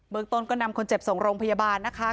เมืองต้นก็นำคนเจ็บส่งโรงพยาบาลนะคะ